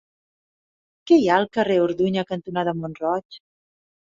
Què hi ha al carrer Orduña cantonada Mont-roig?